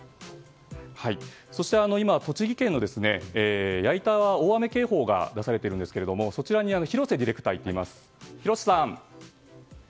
そして今、栃木県の矢板は大雨警報が出されているんですがそちらに広瀬ディレクターが行っています。